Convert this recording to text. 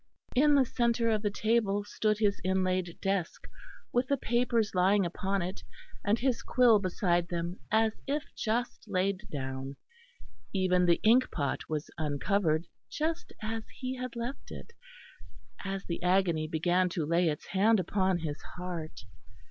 In the centre of the table stood his inlaid desk, with the papers lying upon it, and his quill beside them, as if just laid down; even the ink pot was uncovered just as he had left it, as the agony began to lay its hand upon his heart.